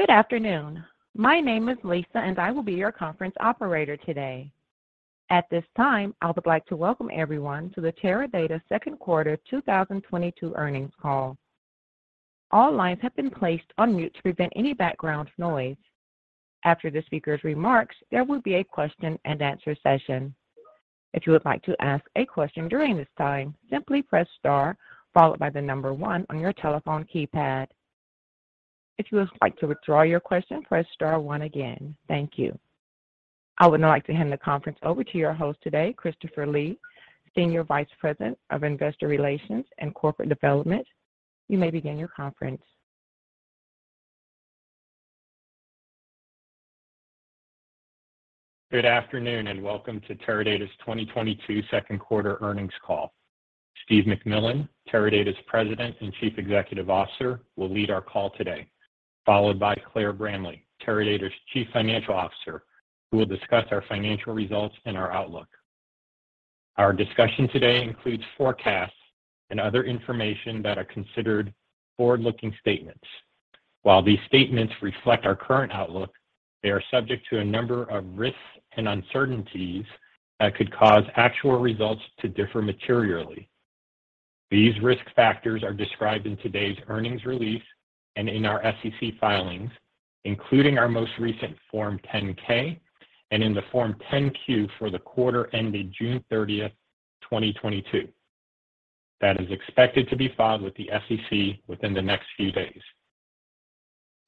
Good afternoon. My name is Lisa, and I will be your conference operator today. At this time, I would like to welcome everyone to the Teradata Q2 2022 earnings call. All lines have been placed on mute to prevent any background noise. After the speaker's remarks, there will be a question and answer session. If you would like to ask a question during this time, simply press star followed by the number one on your telephone keypad. If you would like to withdraw your question, press star one again. Thank you. I would now like to hand the conference over to your host today, Christopher Lee, Senior Vice President of Investor Relations and Corporate Development. You may begin your conference. Good afternoon and welcome to Teradata's 2022 Q2 earnings call. Steve McMillan, Teradata's President and Chief Executive Officer, will lead our call today, followed by Claire Bramley, Teradata's Chief Financial Officer, who will discuss our financial results and our outlook. Our discussion today includes forecasts and other information that are considered forward-looking statements. While these statements reflect our current outlook, they are subject to a number of risks and uncertainties that could cause actual results to differ materially. These risk factors are described in today's earnings release and in our SEC filings, including our most recent Form 10-K and in the Form 10-Q for the quarter ended June 30th, 2022. That is expected to be filed with the SEC within the next few days.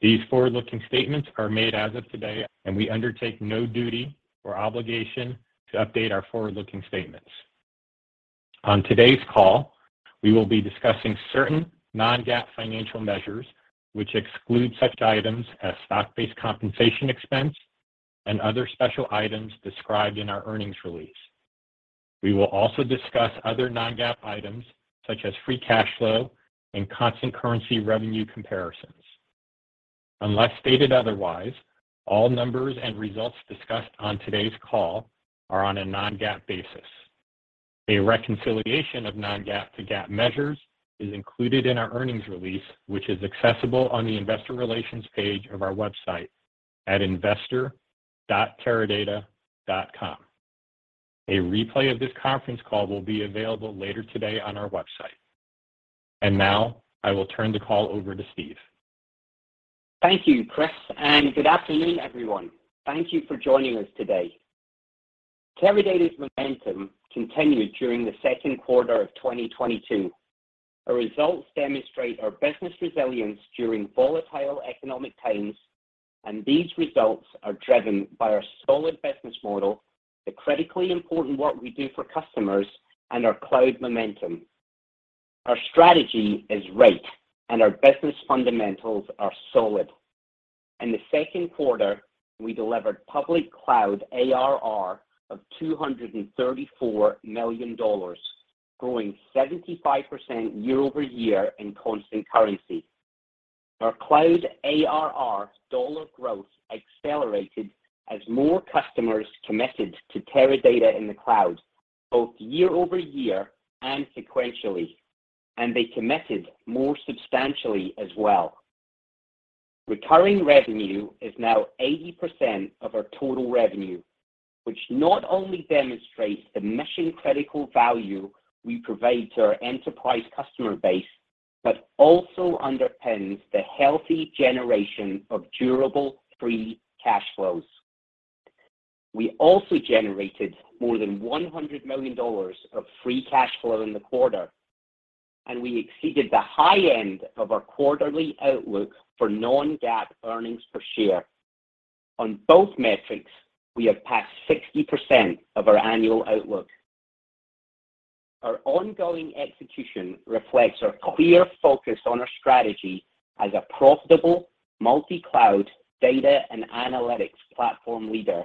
These forward-looking statements are made as of today, and we undertake no duty or obligation to update our forward-looking statements. On today's call, we will be discussing certain non-GAAP financial measures, which exclude such items as stock-based compensation expense and other special items described in our earnings release. We will also discuss other non-GAAP items such as free cash flow and constant currency revenue comparisons. Unless stated otherwise, all numbers and results discussed on today's call are on a non-GAAP basis. A reconciliation of non-GAAP to GAAP measures is included in our earnings release, which is accessible on the investor relations page of our website at investor.teradata.com. A replay of this conference call will be available later today on our website. Now I will turn the call over to Steve. Thank you, Chris, and good afternoon, everyone. Thank you for joining us today. Teradata's momentum continued during the Q2 of 2022. Our results demonstrate our business resilience during volatile economic times, and these results are driven by our solid business model, the critically important work we do for customers, and our cloud momentum. Our strategy is right, and our business fundamentals are solid. In the Q2, we delivered public cloud ARR of $234 million, growing 75% year-over-year in constant currency. Our cloud ARR dollar growth accelerated as more customers committed to Teradata in the cloud, both year-over-year and sequentially, and they committed more substantially as well. Returning revenue is now 80% of our total revenue, which not only demonstrates the mission-critical value we provide to our enterprise customer base, but also underpins the healthy generation of durable free cash flows. We also generated more than $100 million of free cash flow in the quarter, and we exceeded the high end of our quarterly outlook for non-GAAP earnings per share. On both metrics, we have passed 60% of our annual outlook. Our ongoing execution reflects our clear focus on our strategy as a profitable multi-cloud data and analytics platform leader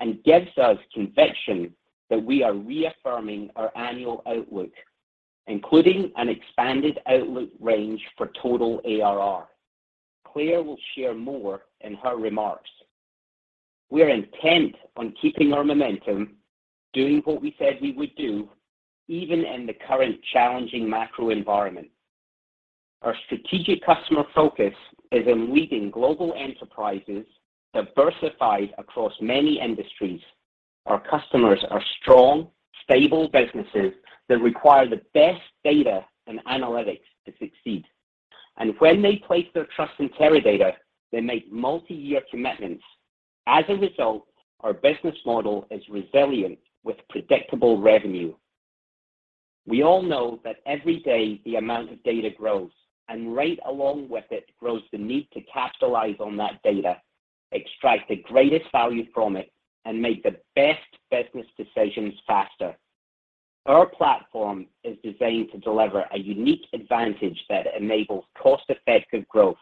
and gives us conviction that we are reaffirming our annual outlook, including an expanded outlook range for total ARR. Claire will share more in her remarks. We are intent on keeping our momentum, doing what we said we would do, even in the current challenging macro environment. Our strategic customer focus is in leading global enterprises diversified across many industries. Our customers are strong, stable businesses that require the best data and analytics to succeed. When they place their trust in Teradata, they make multi-year commitments. As a result, our business model is resilient with predictable revenue. We all know that every day the amount of data grows, and right along with it grows the need to capitalize on that data, extract the greatest value from it, and make the best business decisions faster. Our platform is designed to deliver a unique advantage that enables cost-effective growth.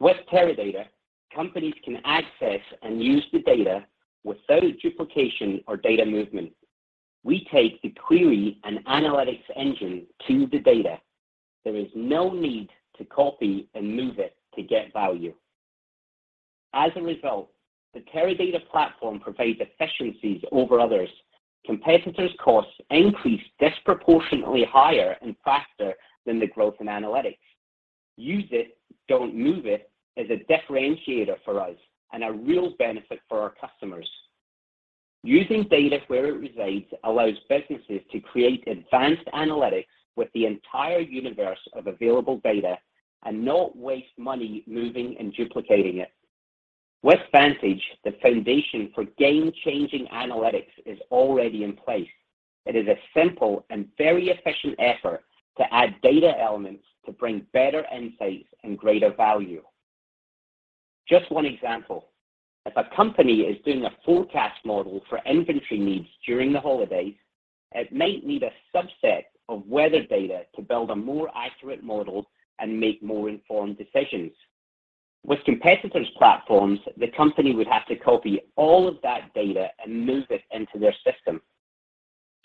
With Teradata, companies can access and use the data without duplication or data movement. We take the query and analytics engine to the data. There is no need to copy and move it to get value. As a result, the Teradata platform provides efficiencies over others. Competitors' costs increase disproportionately higher and faster than the growth in analytics. Use it, don't move it, is a differentiator for us and a real benefit for our customers. Using data where it resides allows businesses to create advanced analytics with the entire universe of available data and not waste money moving and duplicating it. With Vantage, the foundation for game-changing analytics is already in place. It is a simple and very efficient effort to add data elements to bring better insights and greater value. Just one example. If a company is doing a forecast model for inventory needs during the holidays, it might need a subset of weather data to build a more accurate model and make more informed decisions. With competitors' platforms, the company would have to copy all of that data and move it into their system.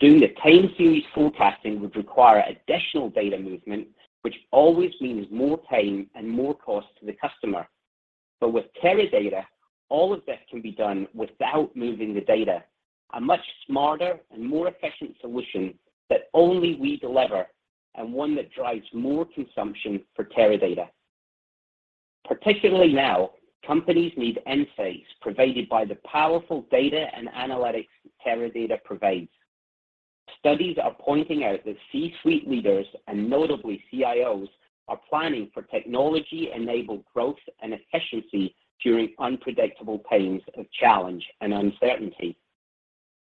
Doing the time series forecasting would require additional data movement, which always means more time and more cost to the customer. With Teradata, all of this can be done without moving the data. A much smarter and more efficient solution that only we deliver, and one that drives more consumption for Teradata. Particularly now, companies need insights provided by the powerful data and analytics Teradata provides. Studies are pointing out that C-suite leaders, and notably CIOs, are planning for technology-enabled growth and efficiency during unpredictable times of challenge and uncertainty.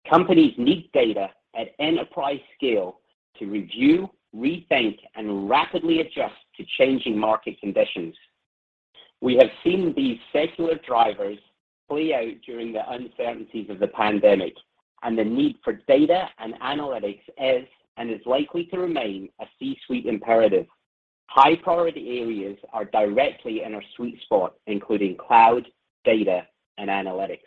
Companies need data at enterprise scale to review, rethink, and rapidly adjust to changing market conditions. We have seen these secular drivers play out during the uncertainties of the pandemic, and the need for data and analytics is likely to remain a C-suite imperative. High-priority areas are directly in our sweet spot, including cloud, data, and analytics.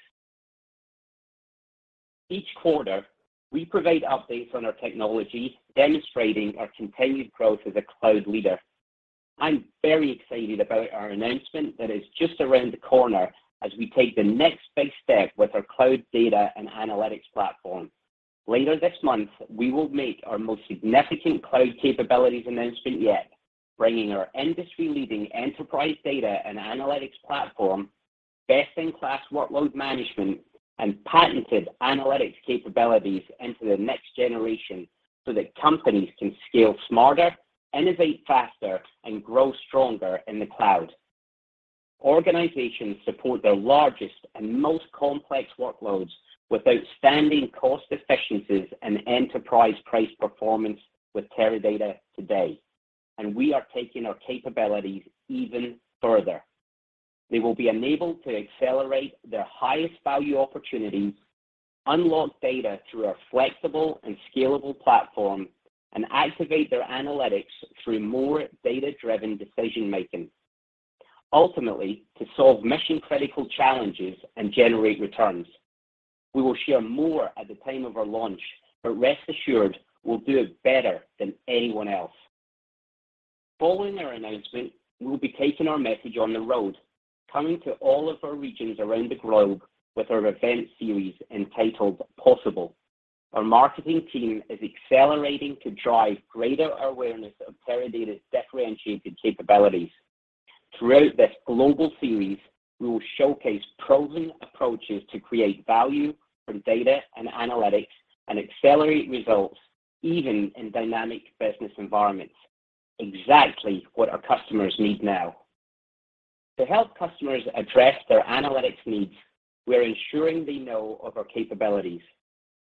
Each quarter, we provide updates on our technology, demonstrating our continued growth as a cloud leader. I'm very excited about our announcement that is just around the corner as we take the next big step with our cloud data and analytics platform. Later this month, we will make our most significant cloud capabilities announcement yet, bringing our industry-leading enterprise data and analytics platform, best-in-class workload management, and patented analytics capabilities into the next generation so that companies can scale smarter, innovate faster, and grow stronger in the cloud. Organizations support their largest and most complex workloads with outstanding cost efficiencies and enterprise price performance with Teradata today, and we are taking our capabilities even further. They will be enabled to accelerate their highest value opportunities, unlock data through our flexible and scalable platform, and activate their analytics through more data-driven decision-making, ultimately to solve mission-critical challenges and generate returns. We will share more at the time of our launch, but rest assured we'll do it better than anyone else. Following our announcement, we will be taking our message on the road, coming to all of our regions around the globe with our event series entitled Possible. Our marketing team is accelerating to drive greater awareness of Teradata's differentiated capabilities. Throughout this global series, we will showcase proven approaches to create value from data and analytics and accelerate results even in dynamic business environments. Exactly what our customers need now. To help customers address their analytics needs, we're ensuring they know of our capabilities.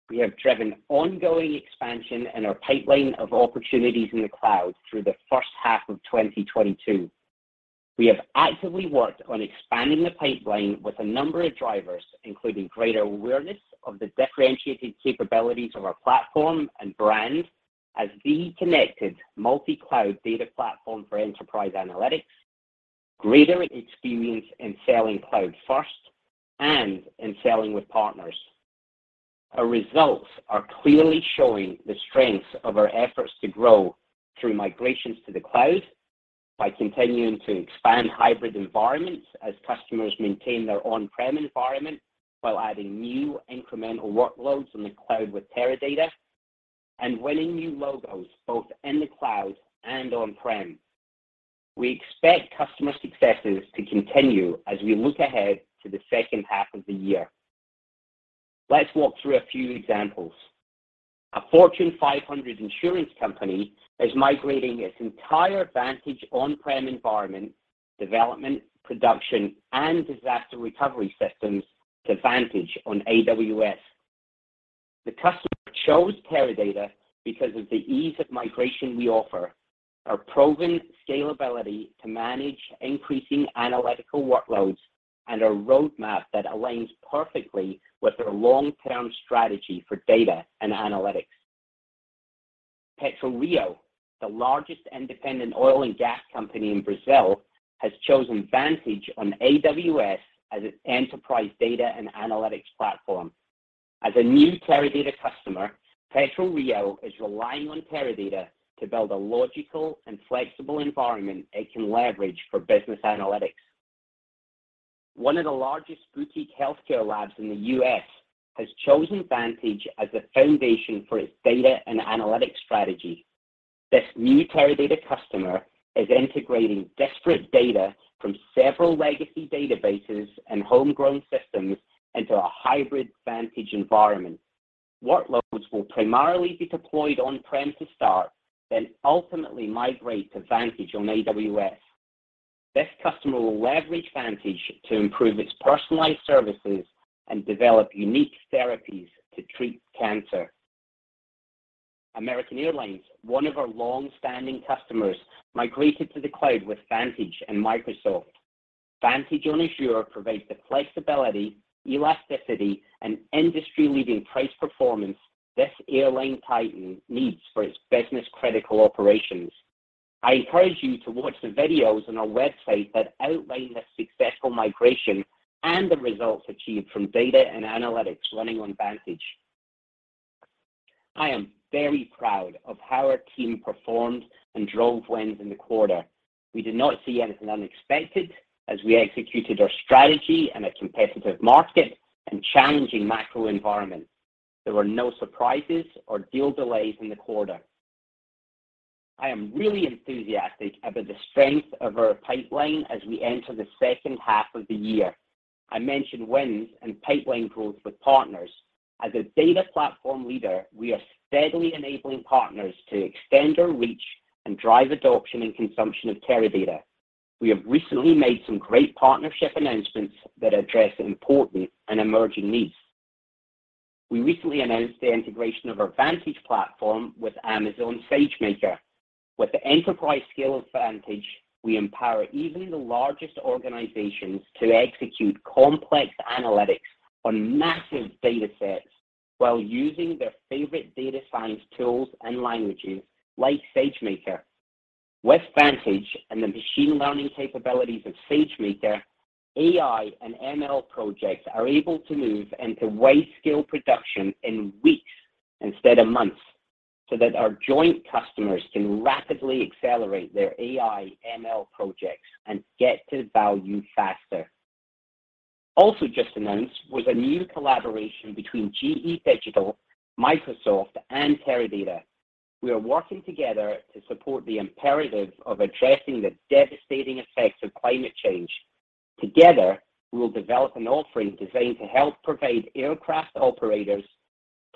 We have driven ongoing expansion in our pipeline of opportunities in the cloud through the H1 of 2022. We have actively worked on expanding the pipeline with a number of drivers, including greater awareness of the differentiated capabilities of our platform and brand as the connected multi-cloud data platform for enterprise analytics, greater experience in selling cloud-first, and in selling with partners. Our results are clearly showing the strengths of our efforts to grow through migrations to the cloud by continuing to expand hybrid environments as customers maintain their on-prem environment while adding new incremental workloads in the cloud with Teradata, and winning new logos both in the cloud and on-prem. We expect customer successes to continue as we look ahead to the H2 of the year. Let's walk through a few examples. A Fortune 500 insurance company is migrating its entire Vantage on-prem environment, development, production, and disaster recovery systems to Vantage on AWS. The customer chose Teradata because of the ease of migration we offer, our proven scalability to manage increasing analytical workloads, and our roadmap that aligns perfectly with their long-term strategy for data and analytics. PetroRio, the largest independent oil and gas company in Brazil, has chosen Vantage on AWS as its enterprise data and analytics platform. As a new Teradata customer, PetroRio is relying on Teradata to build a logical and flexible environment it can leverage for business analytics. One of the largest boutique healthcare labs in the U.S. has chosen Vantage as the foundation for its data and analytics strategy. This new Teradata customer is integrating disparate data from several legacy databases and homegrown systems into a hybrid Vantage environment. Workloads will primarily be deployed on-prem to start, then ultimately migrate to Vantage on AWS. This customer will leverage Vantage to improve its personalized services and develop unique therapies to treat cancer. American Airlines, one of our long-standing customers, migrated to the cloud with Vantage and Microsoft. Vantage on Azure provides the flexibility, elasticity, and industry-leading price performance this airline titan needs for its business-critical operations. I encourage you to watch the videos on our website that outline this successful migration and the results achieved from data and analytics running on Vantage. I am very proud of how our team performed and drove wins in the quarter. We did not see anything unexpected as we executed our strategy in a competitive market and challenging macro environment. There were no surprises or deal delays in the quarter. I am really enthusiastic about the strength of our pipeline as we enter the H2 of the year. I mentioned wins and pipeline growth with partners. As a data platform leader, we are steadily enabling partners to extend our reach and drive adoption and consumption of Teradata. We have recently made some great partnership announcements that address important and emerging needs. We recently announced the integration of our Vantage platform with Amazon SageMaker. With the enterprise scale of Vantage, we empower even the largest organizations to execute complex analytics on massive datasets while using their favorite data science tools and languages like SageMaker. With Vantage and the machine learning capabilities of SageMaker, AI and ML projects are able to move into wide-scale production in weeks instead of months, so that our joint customers can rapidly accelerate their AI ML projects and get to value faster. Also just announced was a new collaboration between GE Digital, Microsoft, and Teradata. We are working together to support the imperative of addressing the devastating effects of climate change. Together, we will develop an offering designed to help aircraft operators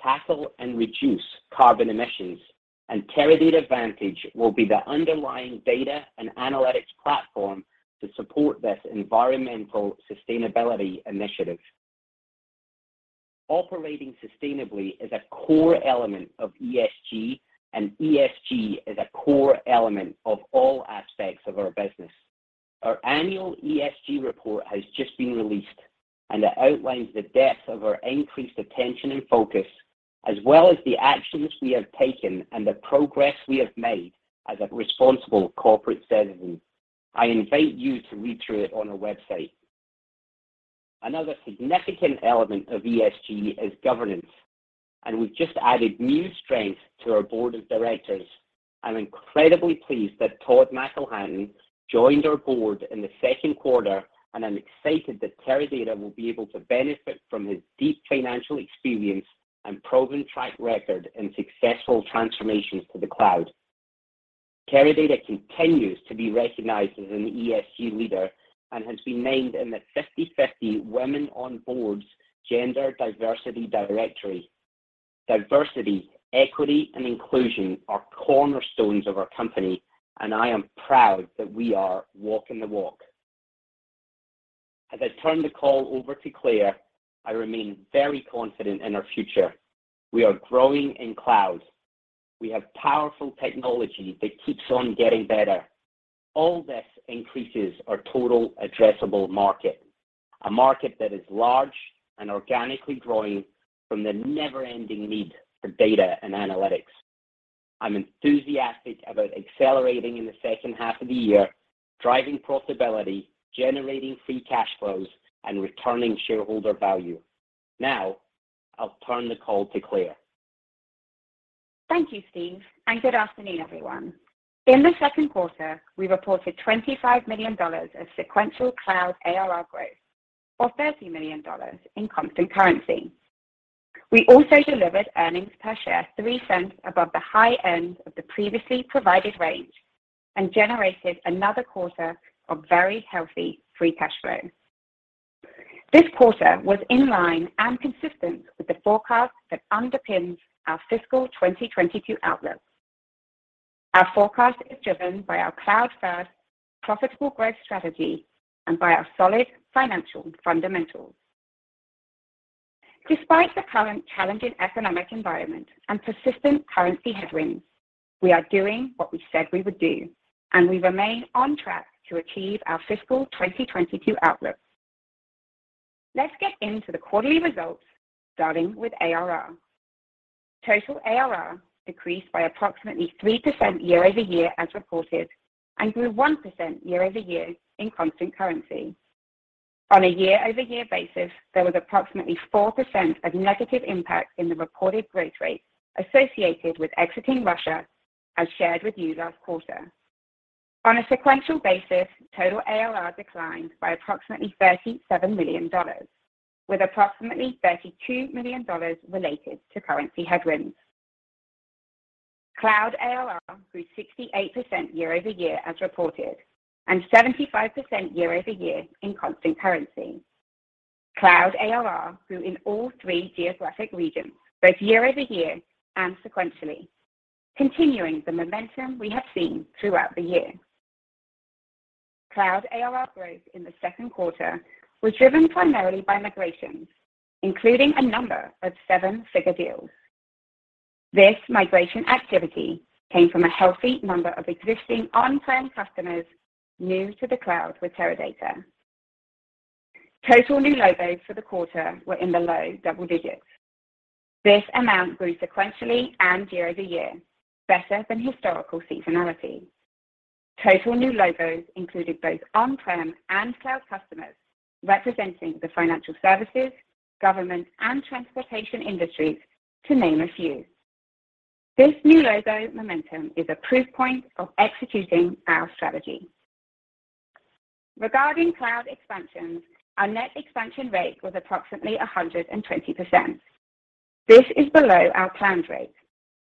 tackle and reduce carbon emissions, and Teradata Vantage will be the underlying data and analytics platform to support this environmental sustainability initiative. Operating sustainably is a core element of ESG, and ESG is a core element of all aspects of our business. Our annual ESG report has just been released, and it outlines the depth of our increased attention and focus, as well as the actions we have taken and the progress we have made as a responsible corporate citizen. I invite you to read through it on our website. Another significant element of ESG is governance, and we've just added new strength to our board of directors. I'm incredibly pleased that Todd McElhatton joined our board in the Q2, and I'm excited that Teradata will be able to benefit from his deep financial experience and proven track record in successful transformations to the cloud. Teradata continues to be recognized as an ESG leader and has been named in the 50/50 Women on Boards Gender Diversity Directory. Diversity, equity, and inclusion are cornerstones of our company, and I am proud that we are walking the walk. As I turn the call over to Claire, I remain very confident in our future. We are growing in cloud. We have powerful technology that keeps on getting better. All this increases our total addressable market, a market that is large and organically growing from the never-ending need for data and analytics. I'm enthusiastic about accelerating in the H2 of the year, driving profitability, generating free cash flows, and returning shareholder value. Now, I'll turn the call to Claire. Thank you, Steve, and good afternoon, everyone. In the Q2, we reported $25 million of sequential cloud ARR growth, or $30 million in constant currency. We also delivered earnings per share $0.03 above the high end of the previously provided range and generated another quarter of very healthy free cash flow. This quarter was in line and consistent with the forecast that underpins our fiscal 2022 outlook. Our forecast is driven by our cloud-first profitable growth strategy and by our solid financial fundamentals. Despite the current challenging economic environment and persistent currency headwinds, we are doing what we said we would do, and we remain on track to achieve our fiscal 2022 outlook. Let's get into the quarterly results, starting with ARR. Total ARR decreased by approximately 3% year-over-year as reported and grew 1% year-over-year in constant currency. On a year-over-year basis, there was approximately 4% of negative impact in the reported growth rate associated with exiting Russia as shared with you last quarter. On a sequential basis, total ARR declined by approximately $37 million, with approximately $32 million related to currency headwinds. Cloud ARR grew 68% year-over-year as reported, and 75% year-over-year in constant currency. Cloud ARR grew in all three geographic regions, both year-over-year and sequentially, continuing the momentum we have seen throughout the year. Cloud ARR growth in the Q2 was driven primarily by migrations, including a number of seven-figure deals. This migration activity came from a healthy number of existing on-prem customers new to the cloud with Teradata. Total new logos for the quarter were in the low double digits. This amount grew sequentially and year-over-year, better than historical seasonality. Total new logos included both on-prem and cloud customers, representing the financial services, government, and transportation industries, to name a few. This new logo momentum is a proof point of executing our strategy. Regarding cloud expansions, our net expansion rate was approximately 120%. This is below our planned rate,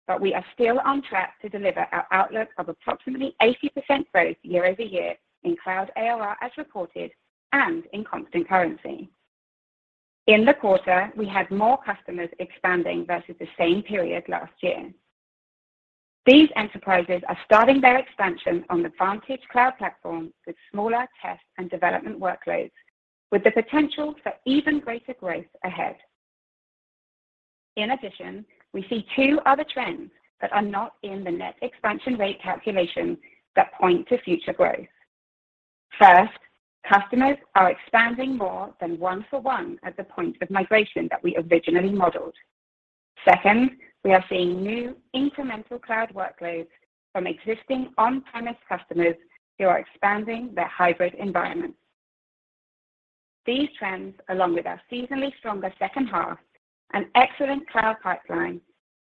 but we are still on track to deliver our outlook of approximately 80% growth year-over-year in cloud ARR as reported and in constant currency. In the quarter, we had more customers expanding versus the same period last year. These enterprises are starting their expansion on the Vantage Cloud Platform with smaller test and development workloads, with the potential for even greater growth ahead. In addition, we see two other trends that are not in the net expansion rate calculation that point to future growth. First, customers are expanding more than one-for-one at the point of migration that we originally modeled. Second, we are seeing new incremental cloud workloads from existing on-premise customers who are expanding their hybrid environments. These trends, along with our seasonally stronger H2 and excellent cloud pipeline,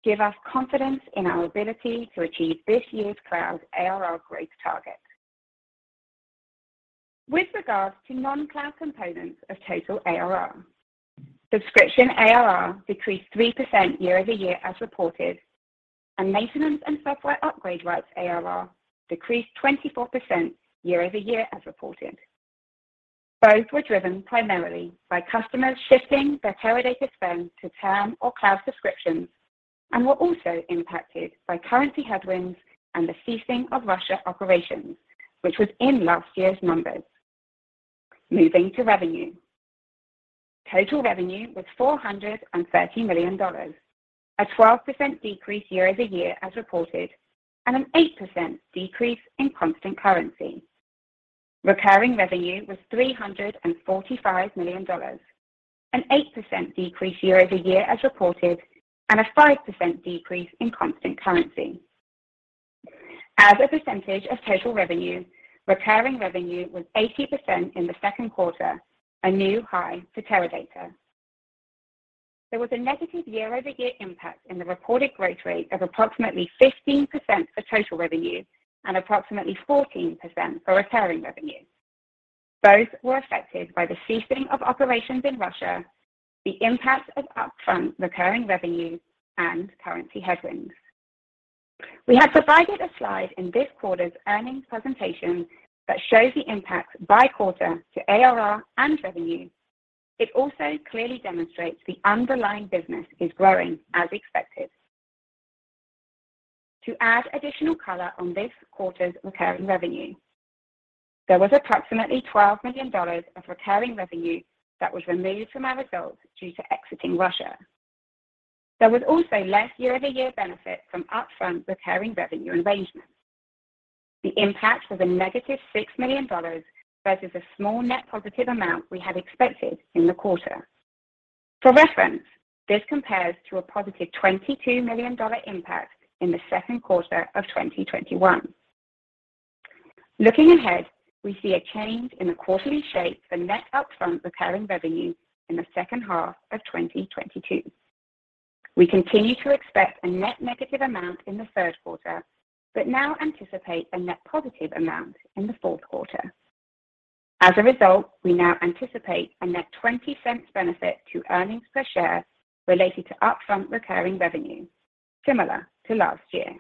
give us confidence in our ability to achieve this year's cloud ARR growth target. With regards to non-cloud components of total ARR, subscription ARR decreased 3% year-over-year as reported, and maintenance and software upgrade rights ARR decreased 24% year-over-year as reported. Both were driven primarily by customers shifting their Teradata spend to term or cloud subscriptions and were also impacted by currency headwinds and the ceasing of Russia operations, which was in last year's numbers. Moving to revenue. Total revenue was $430 million, a 12% decrease year-over-year as reported, and an 8% decrease in constant currency. Recurring revenue was $345 million, an 8% decrease year-over-year as reported, and a 5% decrease in constant currency. As a percentage of total revenue, recurring revenue was 80% in the Q2, a new high for Teradata. There was a negative year-over-year impact in the reported growth rate of approximately 15% for total revenue and approximately 14% for recurring revenue. Both were affected by the ceasing of operations in Russia, the impact of upfront recurring revenue, and currency headwinds. We have provided a slide in this quarter's earnings presentation that shows the impact by quarter to ARR and revenue. It also clearly demonstrates the underlying business is growing as expected. To add additional color on this quarter's recurring revenue, there was approximately $12 million of recurring revenue that was removed from our results due to exiting Russia. There was also less year-over-year benefit from upfront recurring revenue arrangement. The impact was a negative $6 million versus a small net positive amount we had expected in the quarter. For reference, this compares to a positive $22 million dollar impact in the Q2 of 2021. Looking ahead, we see a change in the quarterly shape for net upfront recurring revenue in the H2 of 2022. We continue to expect a net negative amount in the Q3, but now anticipate a net positive amount in the Q4. As a result, we now anticipate a net $0.20 benefit to earnings per share related to upfront recurring revenue, similar to last year.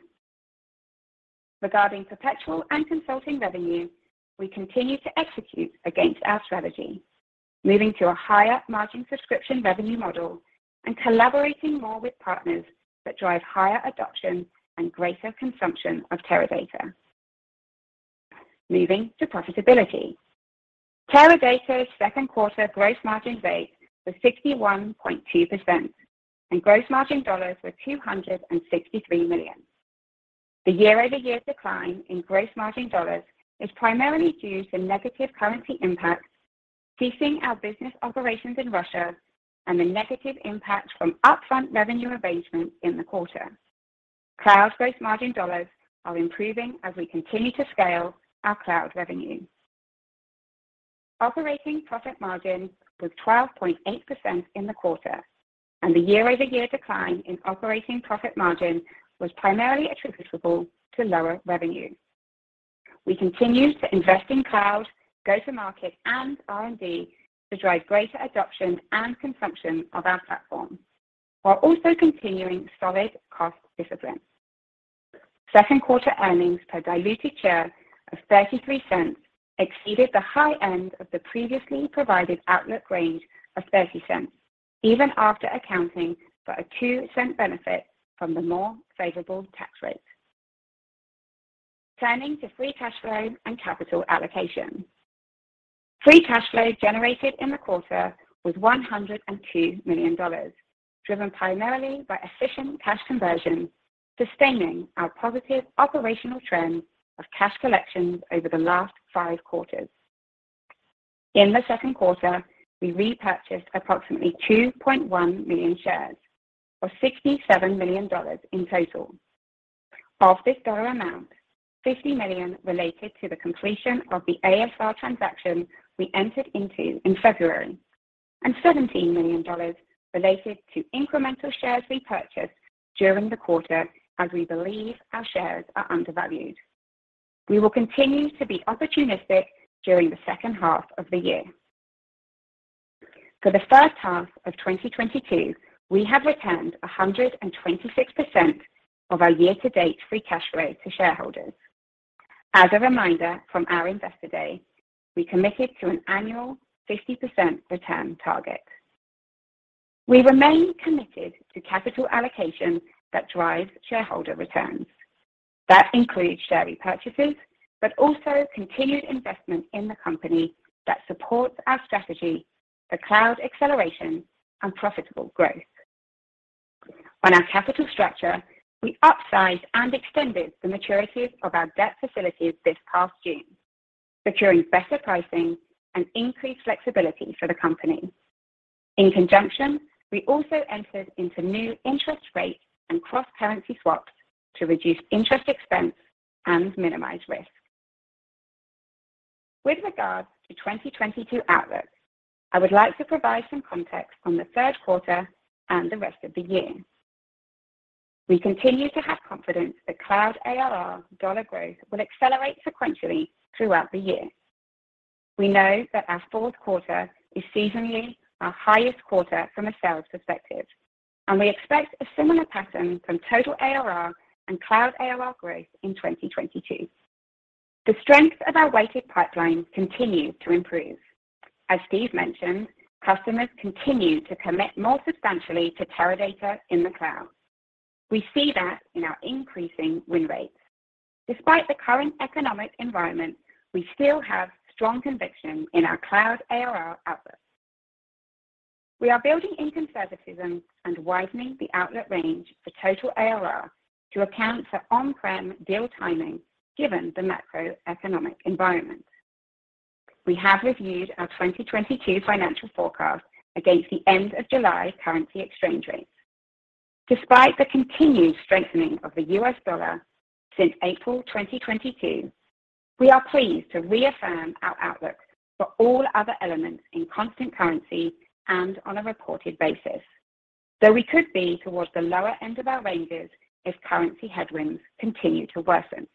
Regarding perpetual and consulting revenue, we continue to execute against our strategy, moving to a higher margin subscription revenue model and collaborating more with partners that drive higher adoption and greater consumption of Teradata. Moving to profitability. Teradata's Q2 gross margin rate was 61.2%, and gross margin dollars were $263 million. The year-over-year decline in gross margin dollars is primarily due to negative currency impacts, ceasing our business operations in Russia, and the negative impact from upfront revenue arrangements in the quarter. Cloud's gross margin dollars are improving as we continue to scale our cloud revenue. Operating profit margin was 12.8% in the quarter, and the year-over-year decline in operating profit margin was primarily attributable to lower revenue. We continue to invest in cloud, go-to-market, and R&D to drive greater adoption and consumption of our platform, while also continuing solid cost discipline. Q2 earnings per diluted share of $0.33 exceeded the high end of the previously provided outlook range of $0.30, even after accounting for a $0.02 benefit from the more favorable tax rate. Turning to free cash flow and capital allocation. Free cash flow generated in the quarter was $102 million, driven primarily by efficient cash conversion, sustaining our positive operational trend of cash collections over the last five quarters. In the Q2, we repurchased approximately 2.1 million shares, or $67 million in total. Of this dollar amount, $50 million related to the completion of the ASR transaction we entered into in February, and $17 million related to incremental shares repurchased during the quarter as we believe our shares are undervalued. We will continue to be opportunistic during the H2 of the year. For the H1 of 2022, we have returned 126% of our year-to-date free cash flow to shareholders. As a reminder from our Investor Day, we committed to an annual 50% return target. We remain committed to capital allocation that drives shareholder returns. That includes share repurchases, but also continued investment in the company that supports our strategy for cloud acceleration and profitable growth. On our capital structure, we upsized and extended the maturities of our debt facilities this past June, securing better pricing and increased flexibility for the company. In conjunction, we also entered into new interest rate and cross-currency swaps to reduce interest expense and minimize risk. With regards to 2022 outlook, I would like to provide some context on the Q3 and the rest of the year. We continue to have confidence that cloud ARR dollar growth will accelerate sequentially throughout the year. We know that our Q4 is seasonally our highest quarter from a sales perspective, and we expect a similar pattern from total ARR and cloud ARR growth in 2022. The strength of our weighted pipeline continues to improve. As Steve mentioned, customers continue to commit more substantially to Teradata in the cloud. We see that in our increasing win rates. Despite the current economic environment, we still have strong conviction in our cloud ARR outlook. We are building in conservatism and widening the outlook range for total ARR to account for on-prem deal timing given the macroeconomic environment. We have reviewed our 2022 financial forecast against the end of July currency exchange rates. Despite the continued strengthening of the US dollar since April 2022, we are pleased to reaffirm our outlook for all other elements in constant currency and on a reported basis. Though we could be towards the lower end of our ranges if currency headwinds continue to worsen.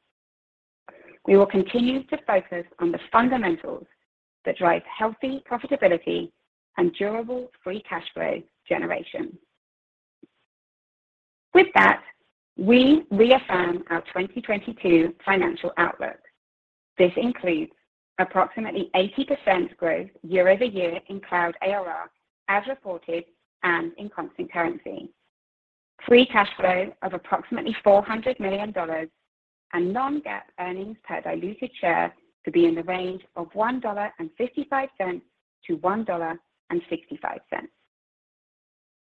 We will continue to focus on the fundamentals that drive healthy profitability and durable free cash flow generation. With that, we reaffirm our 2022 financial outlook. This includes approximately 80% growth year-over-year in cloud ARR as reported and in constant currency. Free cash flow of approximately $400 million and non-GAAP earnings per diluted share to be in the range of $1.55-$1.65.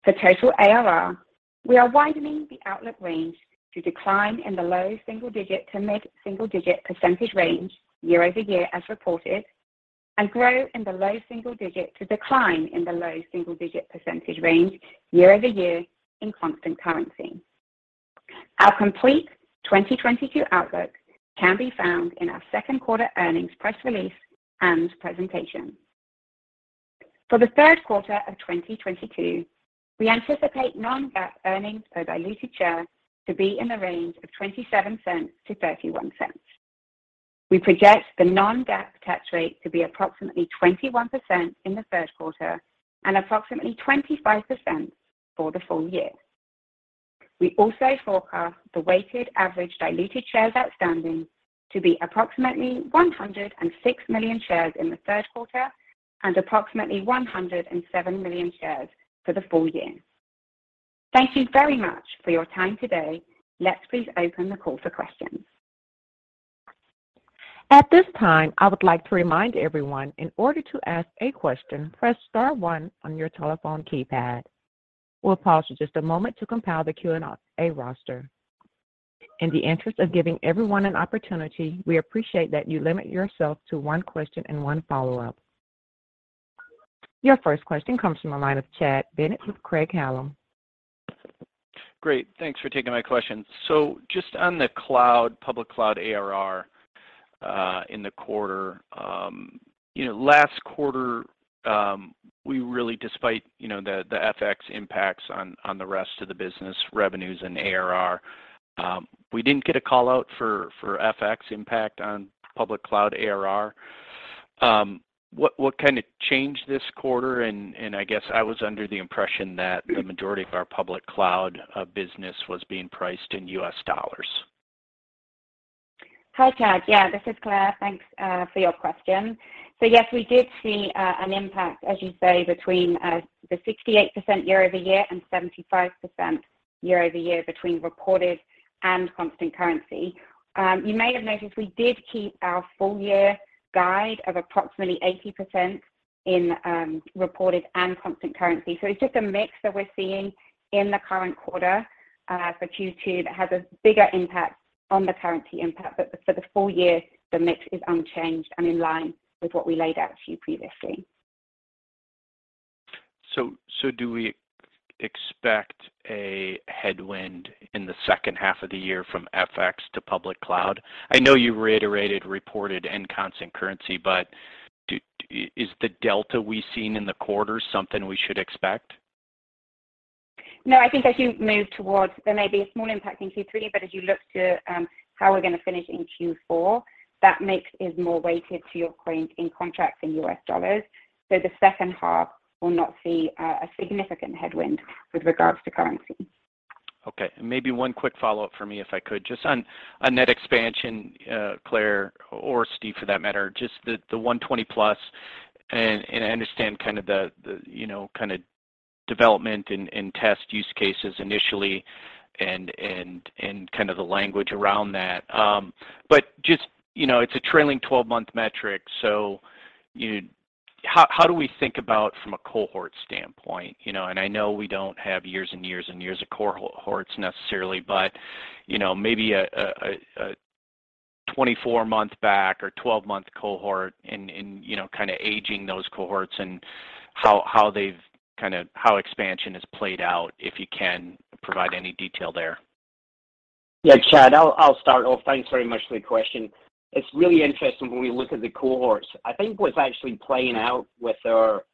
For total ARR, we are widening the outlook range to decline in the low single digit to mid single digit percentage range year-over-year as reported, and grow in the low single digit to decline in the low single digit percentage range year-over-year in constant currency. Our complete 2022 outlook can be found in our Q2 earnings press release and presentation. For the Q3 of 2022, we anticipate non-GAAP earnings per diluted share to be in the range of $0.27-$0.31. We project the non-GAAP tax rate to be approximately 21% in the Q3 and approximately 25% for the full year. We also forecast the weighted average diluted shares outstanding to be approximately 106 million shares in the Q3 and approximately 107 million shares for the full year. Thank you very much for your time today. Let's please open the call for questions. Your first question comes from the line of Chad Bennett with Craig-Hallum. Great. Thanks for taking my question. Just on the cloud, public cloud ARR in the quarter, you know, last quarter, we really despite the FX impacts on the rest of the business revenues and ARR, we didn't get a call out for FX impact on public cloud ARR. What kind of changed this quarter? I guess I was under the impression that the majority of our public cloud business was being priced in US dollars. Hi, Chad. Yeah, this is Claire. Thanks for your question. Yes, we did see an impact, as you say, between the 68% year-over-year and 75% year-over-year between reported and constant currency. You may have noticed we did keep our full year guide of approximately 80% in reported and constant currency. It's just a mix that we're seeing in the current quarter for Q2 that has a bigger impact on the currency impact. For the full year, the mix is unchanged and in line with what we laid out to you previously. Do we expect a headwind in the H2 of the year from FX to public cloud? I know you reiterated reported and constant currency, but is the delta we've seen in the quarter something we should expect? No. I think there may be a small impact in Q3, but as you look to how we're going to finish in Q4, that mix is more weighted to your point in contracts in US dollars. The H2 will not see a significant headwind with regards to currency. Okay. Maybe one quick follow-up for me, if I could. Just on net expansion, Claire, or Steve for that matter, just the 120+, and I understand kind of the development and test use cases initially and kind of the language around that. But just, you know, it's a trailing twelve-month metric, so you how do we think about from a cohort standpoint? You know, and I know we don't have years and years of cohorts necessarily, but, you know, maybe a 24-month back or 12-month cohort and you know, kind of aging those cohorts and how they've kind of expansion has played out, if you can provide any detail there. Yeah. Chad, I'll start off. Thanks very much for the question. It's really interesting when we look at the cohorts. I think what's actually playing out with our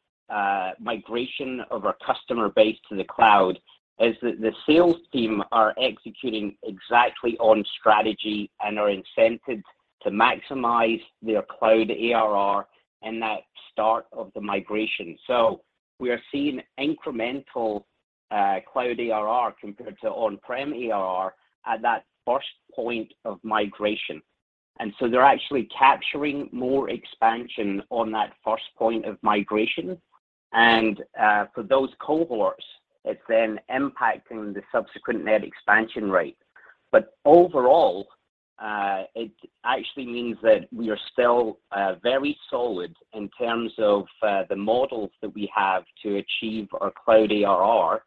migration of our customer base to the cloud is that the sales team are executing exactly on strategy and are incented to maximize their cloud ARR in that start of the migration. We are seeing incremental cloud ARR compared to on-prem ARR at that first point of migration. For those cohorts, it's then impacting the subsequent net expansion rate. Overall, it actually means that we are still very solid in terms of the models that we have to achieve our cloud ARR,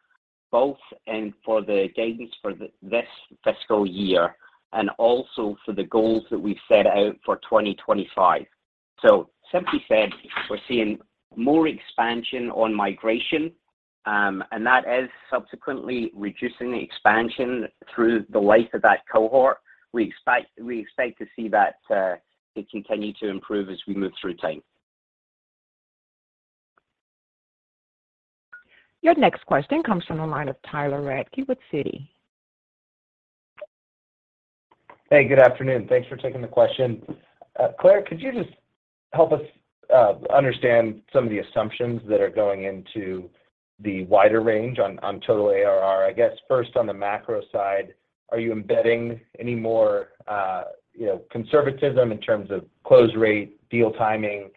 both and for the guidance for this fiscal year and also for the goals that we've set out for 2025. Simply said, we're seeing more expansion on migration, and that is subsequently reducing the expansion through the life of that cohort. We expect to see that it continue to improve as we move through time. Your next question comes from the line of Tyler Radke with Citi. Hey, good afternoon. Thanks for taking the question. Claire, could you just help us understand some of the assumptions that are going into the wider range on total ARR? I guess first on the macro side, are you embedding any more conservatism in terms of close rate, deal timing?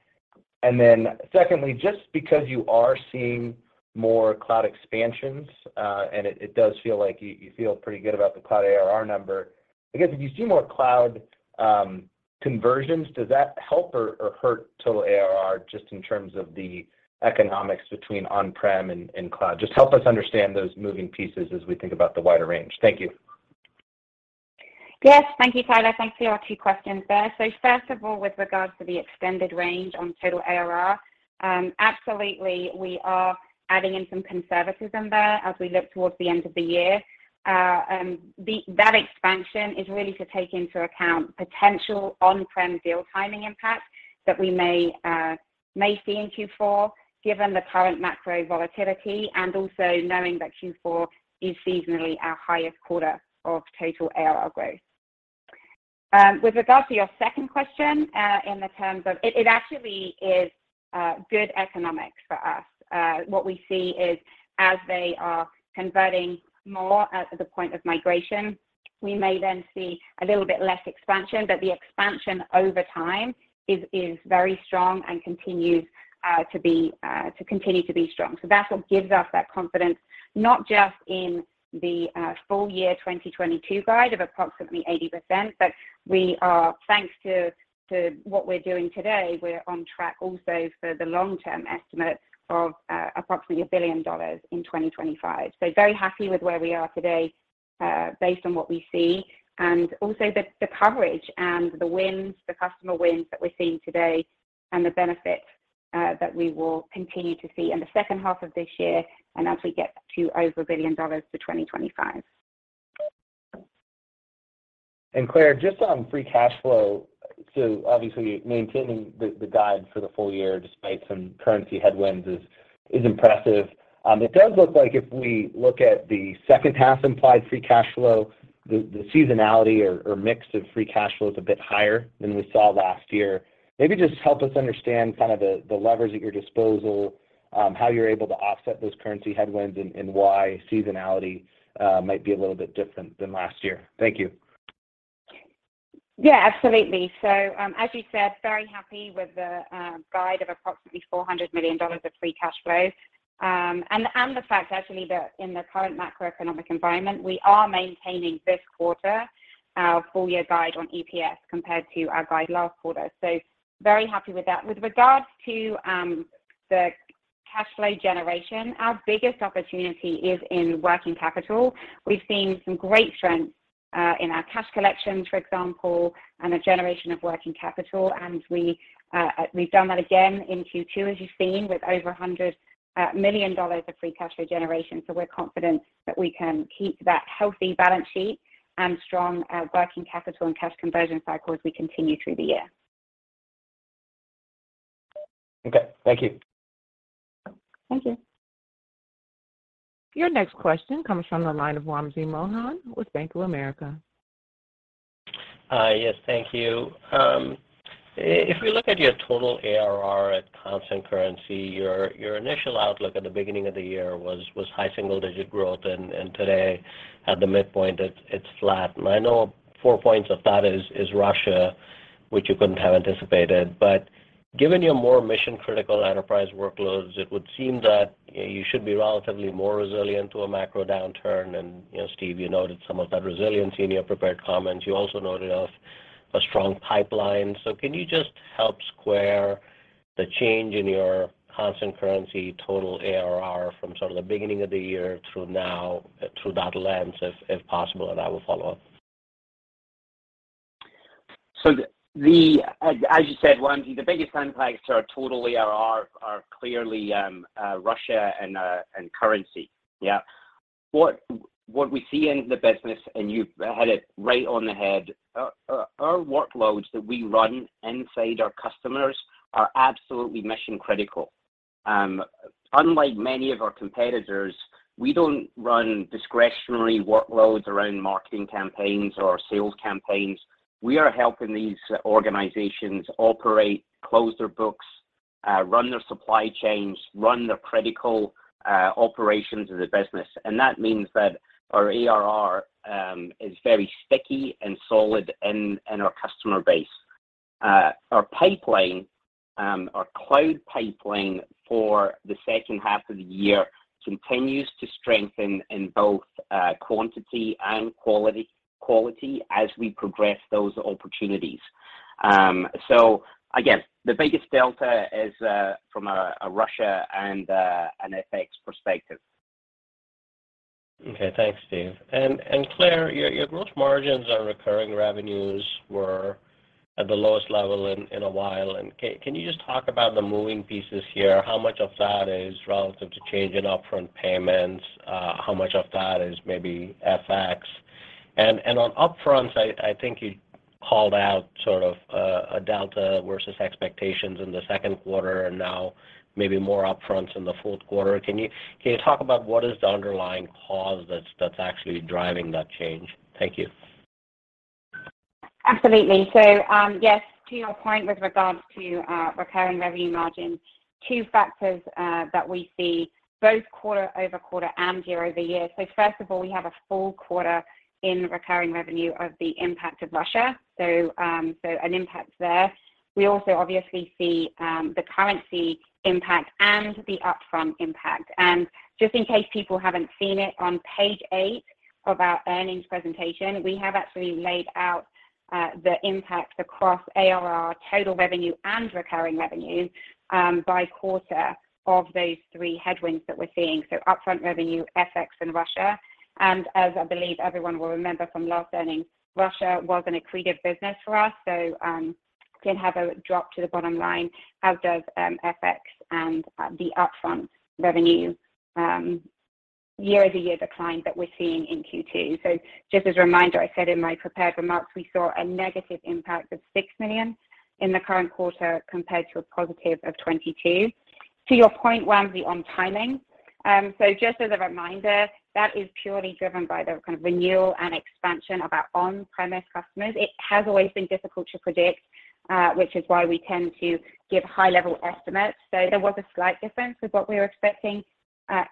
Secondly, just because you are seeing more cloud expansions, and it does feel like you feel pretty good about the cloud ARR number. I guess if you see more cloud conversions, does that help or hurt total ARR just in terms of the economics between on-prem and cloud? Just help us understand those moving pieces as we think about the wider range. Thank you. Yes. Thank you, Tyler. Thanks for your two questions there. First of all, with regards to the extended range on total ARR, absolutely we are adding in some conservatism there as we look towards the end of the year. That expansion is really to take into account potential on-prem deal timing impact that we may see in Q4, given the current macro volatility and also knowing that Q4 is seasonally our highest quarter of total ARR growth. With regards to your second question, in terms of it actually is good economics for us. What we see is as they are converting more at the point of migration, we may then see a little bit less expansion. The expansion over time is very strong and continues to be strong. That's what gives us that confidence, not just in the full year 2022 guide of approximately 80%, but we are, thanks to what we're doing today, we're on track also for the long-term estimate of approximately $1 billion in 2025. Very happy with where we are today, based on what we see and also the coverage and the wins, the customer wins that we're seeing today and the benefit that we will continue to see in the H2 of this year and as we get to over $1 billion for 2025. Claire, just on free cash flow, obviously maintaining the guide for the full year despite some currency headwinds is impressive. It does look like if we look at the H2 implied free cash flow, the seasonality or mix of free cash flow is a bit higher than we saw last year. Maybe just help us understand kind of the levers at your disposal, how you're able to offset those currency headwinds and why seasonality might be a little bit different than last year. Thank you. Yeah, absolutely. As you said, very happy with the guide of approximately $400 million of free cash flow. The fact actually that in the current macroeconomic environment, we are maintaining this quarter our full-year guide on EPS compared to our guide last quarter. Very happy with that. With regards to the cash flow generation, our biggest opportunity is in working capital. We've seen some great strength in our cash collections, for example, and a generation of working capital. We've done that again in Q2, as you've seen, with over $100 million of free cash flow generation. We're confident that we can keep that healthy balance sheet and strong working capital and cash conversion cycle as we continue through the year. Okay. Thank you. Thank you. Your next question comes from the line of Wamsi Mohan with Bank of America. Yes, thank you. If we look at your total ARR at constant currency, your initial outlook at the beginning of the year was high single-digit growth. Today, at the midpoint, it's flat. I know four points of that is Russia, which you couldn't have anticipated. Given your more mission-critical enterprise workloads, it would seem that you should be relatively more resilient to a macro downturn. You know, Steve, you noted some of that resiliency in your prepared comments. You also noted a strong pipeline. Can you just help square the change in your constant currency total ARR from sort of the beginning of the year through now through that lens if possible? I will follow up. As you said, Wamsi, the biggest headwinds to our total ARR are clearly Russia and currency. Yeah. What we see in the business, and you hit it right on the head, our workloads that we run inside our customers are absolutely mission-critical. Unlike many of our competitors, we don't run discretionary workloads around marketing campaigns or sales campaigns. We are helping these organizations operate, close their books, run their supply chains, run their critical operations of the business. That means that our ARR is very sticky and solid in our customer base. Our pipeline, our cloud pipeline for the H2 of the year continues to strengthen in both quantity and quality as we progress those opportunities. Again, the biggest delta is from a Russian and an FX perspective. Okay. Thanks, Steve. Claire, your gross margins on recurring revenues were at the lowest level in a while. Can you just talk about the moving pieces here? How much of that is relative to change in upfront payments? How much of that is maybe FX? On upfronts, I think you called out sort of a delta versus expectations in the Q2 and now maybe more upfronts in the Q4. Can you talk about what is the underlying cause that's actually driving that change? Thank you. Absolutely. Yes, to your point with regards to recurring revenue margin, two factors that we see both quarter-over-quarter and year-over-year. First of all, we have a full quarter in recurring revenue of the impact of Russia, an impact there. We also obviously see the currency impact and the upfront impact. Just in case people haven't seen it, on page 8 of our earnings presentation, we have actually laid out the impact across ARR, total revenue, and recurring revenue by quarter of those three headwinds that we're seeing. Upfront revenue, FX, and Russia. I believe everyone will remember from last earnings, Russia was an accretive business for us, so did have a drop to the bottom line, as does FX and the upfront revenue year-over-year decline that we're seeing in Q2. Just as a reminder, I said in my prepared remarks, we saw a negative impact of $6 million in the current quarter compared to a positive of $22 million. To your point, Wamsi, on timing, just as a reminder, that is purely driven by the kind of renewal and expansion of our on-premise customers. It has always been difficult to predict, which is why we tend to give high-level estimates. There was a slight difference with what we were expecting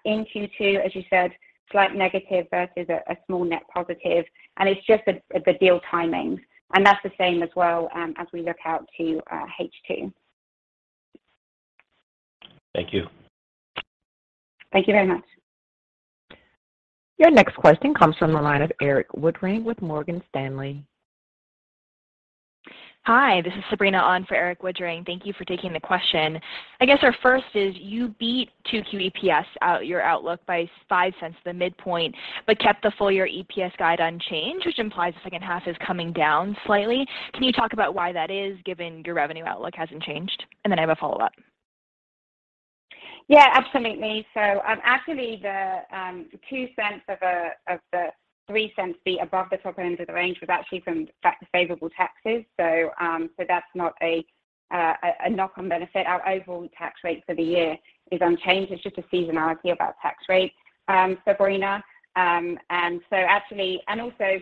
in Q2, as you said, slight negative versus a small net positive, and it's just the deal timing. That's the same as well, as we look out to H2. Thank you. Thank you very much. Your next question comes from the line of Erik Woodring with Morgan Stanley. Hi, this is Sabrina on for Erik Woodring. Thank you for taking the question. I guess our first is you beat 2Q EPS above your outlook by $0.05 at the midpoint, but kept the full-year EPS guide unchanged, which implies the H2 is coming down slightly. Can you talk about why that is given your revenue outlook hasn't changed? I have a follow-up. Yeah, absolutely. Actually, the $0.02 of the $0.03 beat above the top end of the range was actually from favorable taxes. That's not a knock on benefit. Our overall tax rate for the year is unchanged. It's just a seasonality about tax rates, Sabrina. Actually, also,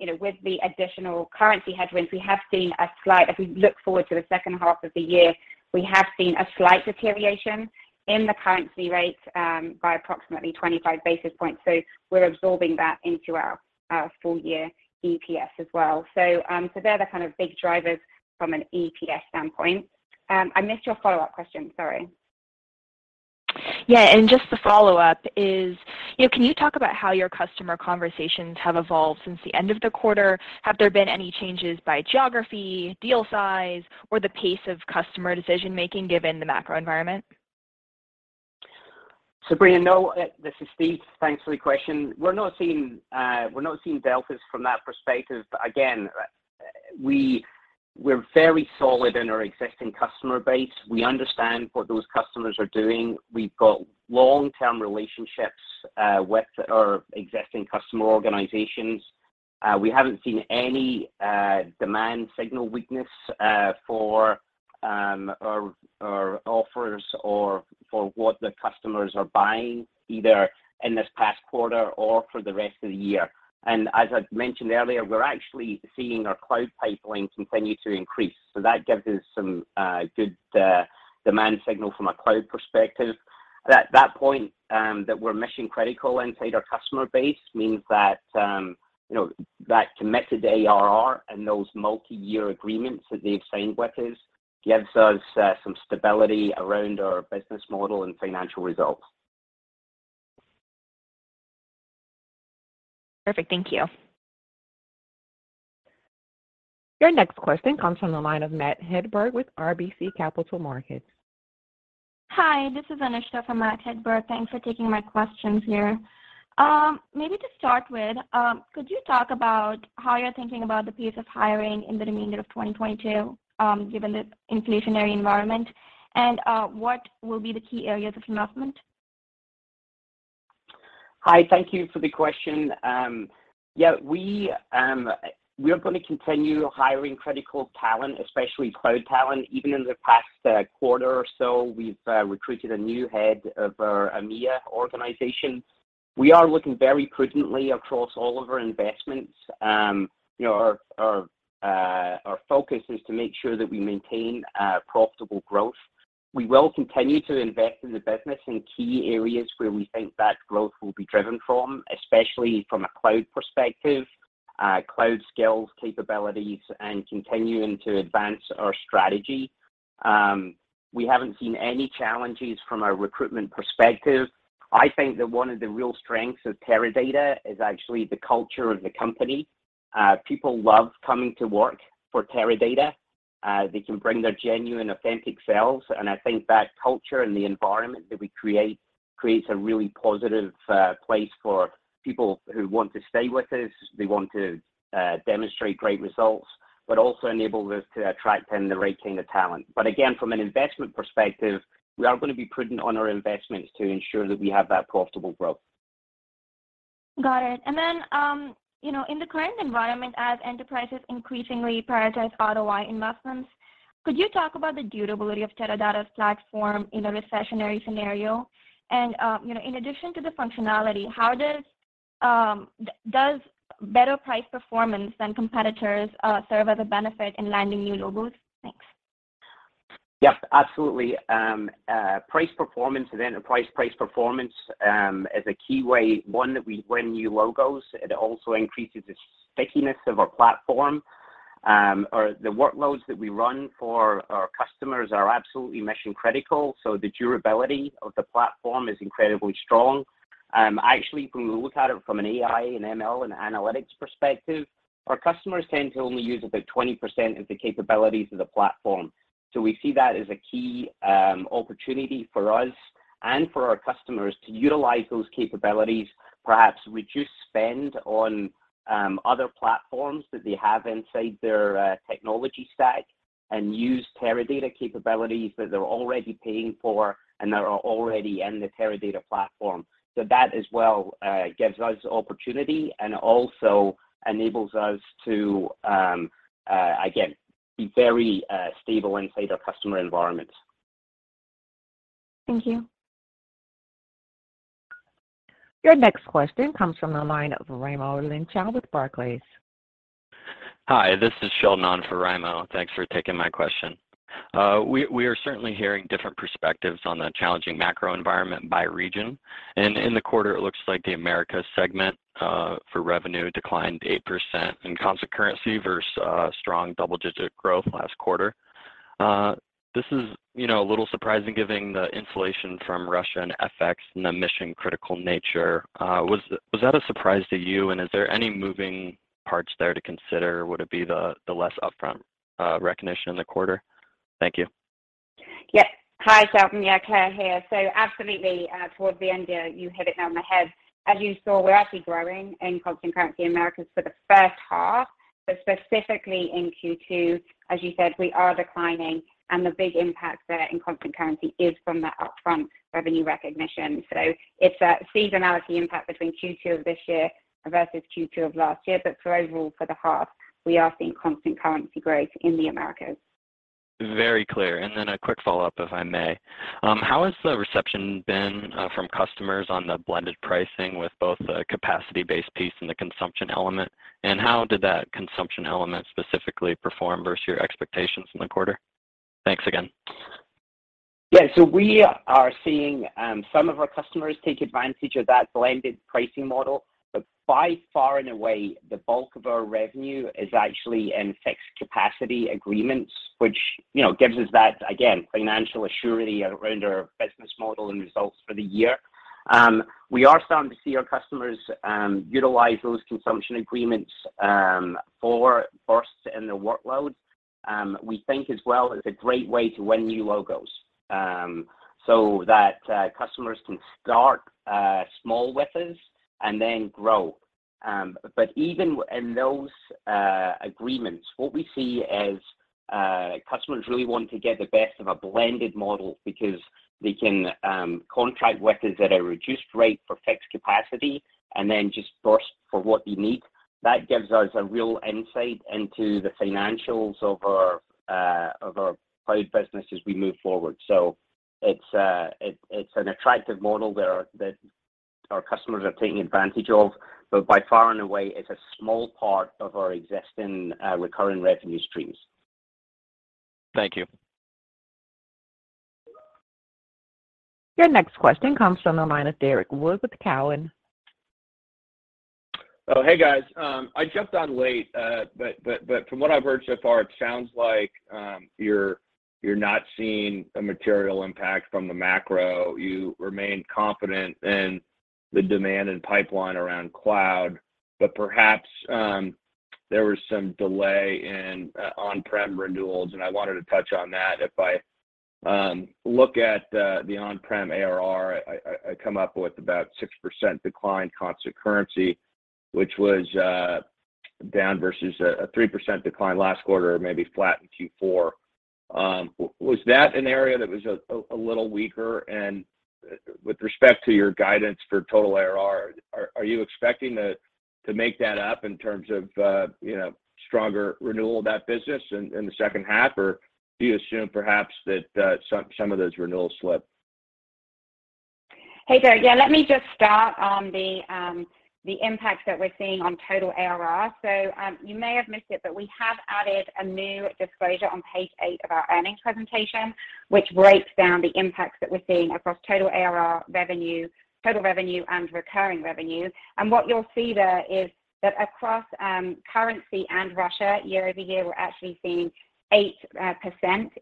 you know, with the additional currency headwinds, if we look forward to the H2 of the year, we have seen a slight deterioration in the currency rates by approximately 25 basis points. We're absorbing that into our full year EPS as well. They're the kind of big drivers from an EPS standpoint. I missed your follow-up question. Sorry. Yeah. Just the follow-up is, you know, can you talk about how your customer conversations have evolved since the end of the quarter? Have there been any changes by geography, deal size, or the pace of customer decision-making given the macro environment? Sabrina, no. This is Steve. Thanks for the question. We're not seeing deltas from that perspective. Again, we're very solid in our existing customer base. We understand what those customers are doing. We've got long-term relationships with our existing customer organizations. We haven't seen any demand signal weakness for our offers or for what the customers are buying, either in this past quarter or for the rest of the year. As I mentioned earlier, we're actually seeing our cloud pipeline continue to increase. That gives us some good demand signal from a cloud perspective. That point that we're mission critical inside our customer base means that you know that committed ARR and those multiyear agreements that they've signed with us gives us some stability around our business model and financial results. Perfect. Thank you. Your next question comes from the line of Matt Hedberg with RBC Capital Markets. Hi, this is Anushtha for Matt Hedberg. Thanks for taking my questions here. Maybe to start with, could you talk about how you're thinking about the pace of hiring in the remainder of 2022, given the inflationary environment, and what will be the key areas of investment? Hi, thank you for the question. Yeah, we're going to continue hiring critical talent, especially cloud talent. Even in the past quarter or so, we've recruited a new head of our EMEA organization. We are looking very prudently across all of our investments. You know, our focus is to make sure that we maintain profitable growth. We will continue to invest in the business in key areas where we think that growth will be driven from, especially from a cloud perspective, cloud skills, capabilities, and continuing to advance our strategy. We haven't seen any challenges from a recruitment perspective. I think that one of the real strengths of Teradata is actually the culture of the company. People love coming to work for Teradata. They can bring their genuine, authentic selves, and I think that culture and the environment that we create creates a really positive place for people who want to stay with us. They want to demonstrate great results, but also enables us to attract and retain the talent. Again, from an investment perspective, we are going to be prudent on our investments to ensure that we have that profitable growth. Got it. You know, in the current environment, as enterprises increasingly prioritize ROI investments, could you talk about the durability of Teradata's platform in a recessionary scenario? You know, in addition to the functionality, how does better price performance than competitors serve as a benefit in landing new logos? Thanks. Yep, absolutely. Price performance and enterprise price performance is a key way, one, that we win new logos. It also increases the stickiness of our platform. Or the workloads that we run for our customers are absolutely mission-critical, so the durability of the platform is incredibly strong. Actually, when we look at it from an AI and ML and analytics perspective, our customers tend to only use about 20% of the capabilities of the platform. So we see that as a key opportunity for us and for our customers to utilize those capabilities, perhaps reduce spend on other platforms that they have inside their technology stack and use Teradata capabilities that they're already paying for and that are already in the Teradata platform. That as well gives us opportunity and also enables us to again be very stable inside our customer environment. Thank you. Your next question comes from the line of Raimo Lenschow with Barclays. Hi, this is Sheldon for Raimo. Thanks for taking my question. We are certainly hearing different perspectives on the challenging macro environment by region, and in the quarter it looks like the Americas segment for revenue declined 8% in constant currency versus strong double-digit growth last quarter. This is, you know, a little surprising given the insulation from Russia and FX and the mission-critical nature. Was that a surprise to you, and is there any moving parts there to consider? Would it be the less upfront recognition in the quarter? Thank you. Yes. Hi, Sheldon. Yeah, Claire here. Absolutely, towards the end there, you hit it on the head. As you saw, we're actually growing in constant currency Americas for the H1, but specifically in Q2, as you said, we are declining, and the big impact there in constant currency is from the upfront revenue recognition. It's a seasonality impact between Q2 of this year versus Q2 of last year. For overall, for the half, we are seeing constant currency growth in the Americas. Very clear. Then a quick follow-up, if I may. How has the reception been from customers on the blended pricing with both the capacity-based piece and the consumption element? How did that consumption element specifically perform versus your expectations in the quarter? Thanks again. Yeah. We are seeing some of our customers take advantage of that blended pricing model. By far and away, the bulk of our revenue is actually in fixed capacity agreements, which, you know, gives us that, again, financial certainty around our business model and results for the year. We are starting to see our customers utilize those consumption agreements for bursts in their workload. We think as well it's a great way to win new logos, so that customers can start small with us and then grow. But even in those agreements, what we see is customers really want to get the best of a blended model because they can contract with us at a reduced rate for fixed capacity and then just burst for what they need. That gives us a real insight into the financials of our cloud business as we move forward. It's an attractive model there that our customers are taking advantage of, but by far and away, it's a small part of our existing recurring revenue streams. Thank you. Your next question comes from the line of Derrick Wood with Cowen. Oh, hey, guys. I jumped on late, but from what I've heard so far, it sounds like you're not seeing a material impact from the macro. You remain confident in the demand and pipeline around cloud. Perhaps there was some delay in on-prem renewals, and I wanted to touch on that. If I look at the on-prem ARR, I come up with about 6% decline constant currency, which was down versus a 3% decline last quarter or maybe flat in Q4. Was that an area that was a little weaker? With respect to your guidance for total ARR, are you expecting to make that up in terms of you know, stronger renewal of that business in the H2? Do you assume perhaps that some of those renewals slip? Hey, Derrick. Yeah. Let me just start on the impact that we're seeing on total ARR. You may have missed it, but we have added a new disclosure on page eight of our earnings presentation, which breaks down the impacts that we're seeing across total ARR revenue, total revenue and recurring revenue. What you'll see there is that across currency and Russia year-over-year, we're actually seeing 8%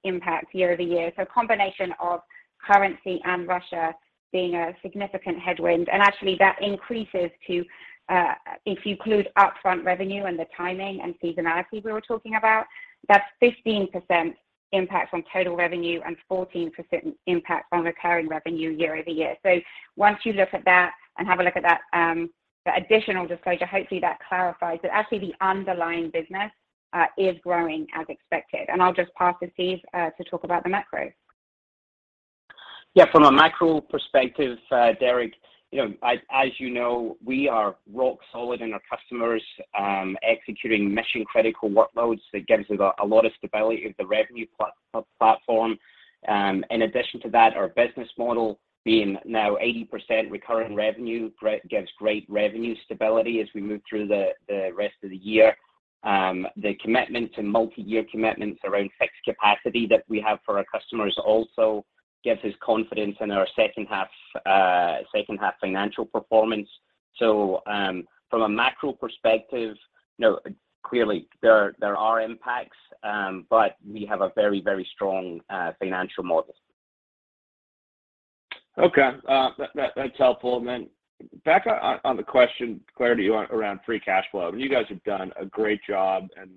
impact year-over-year. A combination of currency and Russia being a significant headwind. Actually that increases to if you include upfront revenue and the timing and seasonality we were talking about, that's 15% impact from total revenue and 14% impact from recurring revenue year-over-year. Once you look at that and have a look at that, the additional disclosure, hopefully that clarifies that actually the underlying business is growing as expected. I'll just pass to Steve to talk about the macro. Yeah, from a macro perspective, Derrick, you know, as you know, we are rock solid in our customers, executing mission-critical workloads that gives us a lot of stability of the revenue platform. In addition to that, our business model being now 80% recurring revenue gives great revenue stability as we move through the rest of the year. The commitment to multi-year commitments around fixed capacity that we have for our customers also gives us confidence in our H2 financial performance. From a macro perspective, you know, clearly there are impacts, but we have a very strong financial model. Okay. That's helpful. Back on the question, Claire, to you around free cash flow. I mean, you guys have done a great job in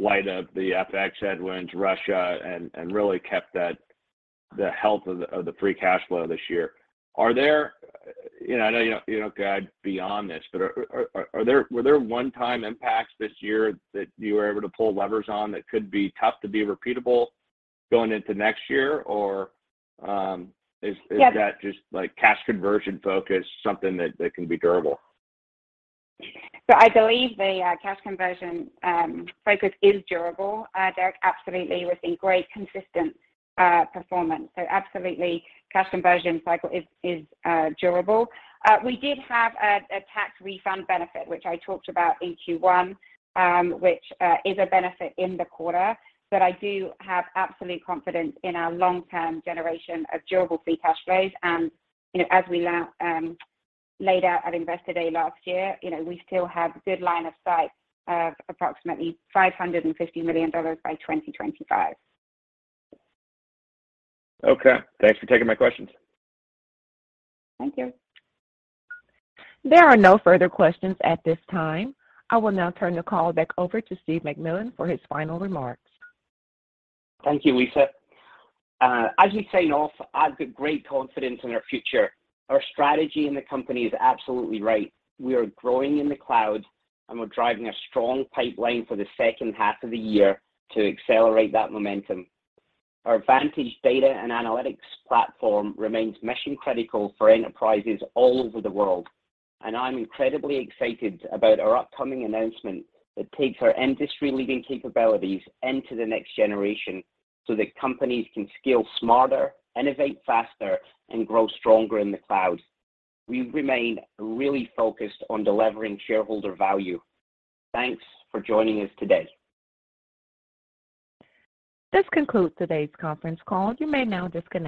light of the FX headwinds, Russia, and really kept the health of the free cash flow this year. Were there one-time impacts this year that you were able to pull levers on that could be tough to be repeatable going into next year? Or is that. Yeah. Just, like, cash conversion focus something that can be durable? I believe the cash conversion focus is durable, Derrick, absolutely, with a great consistent performance. Absolutely cash conversion cycle is durable. We did have a tax refund benefit, which I talked about in Q1, which is a benefit in the quarter. I do have absolute confidence in our long-term generation of durable free cash flows. You know, as we laid out at Investor Day last year, you know, we still have good line of sight of approximately $550 million by 2025. Okay. Thanks for taking my questions. Thank you. There are no further questions at this time. I will now turn the call back over to Steve McMillan for his final remarks. Thank you, Lisa. As we sign off, I've got great confidence in our future. Our strategy in the company is absolutely right. We are growing in the cloud, and we're driving a strong pipeline for the H2 of the year to accelerate that momentum. Our Vantage data and analytics platform remains mission-critical for enterprises all over the world, and I'm incredibly excited about our upcoming announcement that takes our industry-leading capabilities into the next generation so that companies can scale smarter, innovate faster, and grow stronger in the cloud. We remain really focused on delivering shareholder value. Thanks for joining us today. This concludes today's conference call. You may now disconnect.